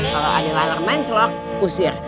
kalo ada lalang mencelok usir